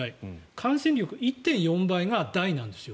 感染力１．４倍が大なんですよ。